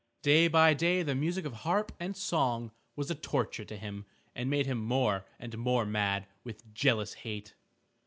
Day by day the music of harp and song was a torture to him and made him more and more mad with jealous hate.